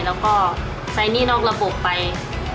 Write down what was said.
แล้วก็ใช้หนี้นอกระบบไป